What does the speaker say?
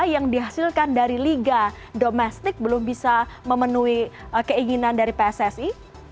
yang dihasilkan dari liga domestik belum bisa memenuhi keinginan dari pssi